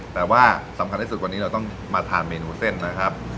แต่ว่าสำคัญที่สุดวันนี้เราต้องมาทานเมนูเส้นนะครับ